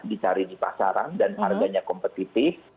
dicari di pasaran dan harganya kompetitif